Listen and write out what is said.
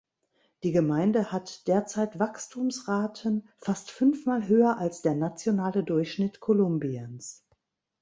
Die Gemeinde hat derzeit Wachstumsraten fast fünfmal höher als der nationale Durchschnitt Kolumbiens.